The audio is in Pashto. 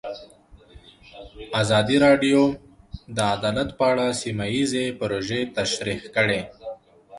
ازادي راډیو د عدالت په اړه سیمه ییزې پروژې تشریح کړې.